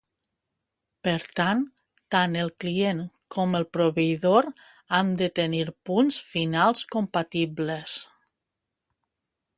Per tant, tant el client com el proveïdor han de tenir punts finals compatibles.